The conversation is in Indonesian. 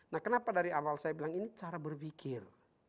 nah kenapa dari awal saya bilang ini cara berpikir